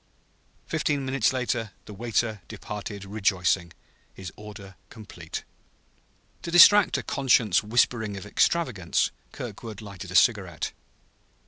Fifteen minutes later the waiter departed rejoicing, his order complete. To distract a conscience whispering of extravagance, Kirkwood lighted a cigarette.